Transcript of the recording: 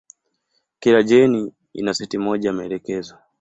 Kila jeni ina seti moja ya maelekezo.